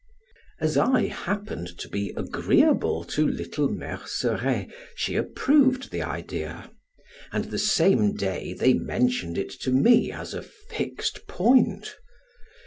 As I happened to be agreeable to little Merceret, she approved the idea, and the same day they mentioned it to me as a fixed point.